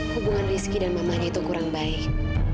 hubungan rizky dan mamahnya itu kurang baik